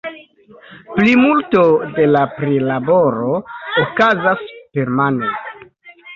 Plimulto de la prilaboro okazas permane.